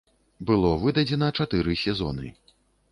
Было выдадзена чатыры сезоны.